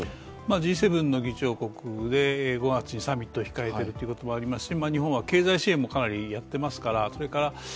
Ｇ７の議長国で５月にサミットを控えているということもありますし日本は経済支援もかなりやってますから。